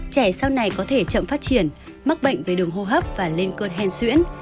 trẻ sau này có thể chậm phát triển mắc bệnh về đường hô hấp và lên cơn hen xuyễn